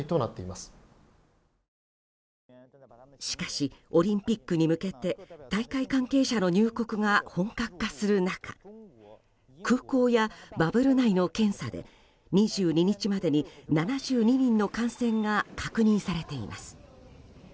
しかし、オリンピックに向けて大会関係者の入国が本格化する中空港やバブル内の検査で２２日までに７２人の感染が確認されています。